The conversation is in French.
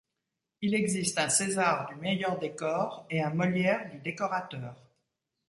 Il existe un César du meilleur décor et un Molière du décorateur.